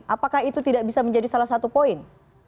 apakah itu tidak bisa menjadi salah satu poin